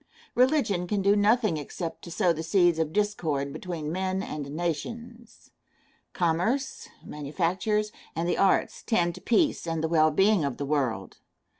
Religion can do nothing except to sow the seeds of discord between men and nations. Commerce, manufactures, and the arts tend to peace and the well being of the world.